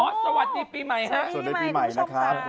สวัสดีปีใหม่นะครับ